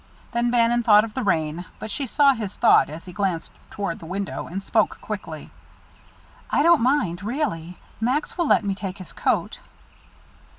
Then Bannon thought of the rain, but she saw his thought as he glanced toward the window, and spoke quickly. "I don't mind really. Max will let me take his coat."